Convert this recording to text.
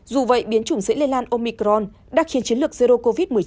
dù vậy biến chủng dễ lây lan omicron đã khiến chiến lược zero covid một mươi chín